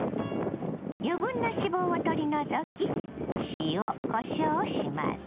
余分な脂肪を取り除き塩こしょうをします。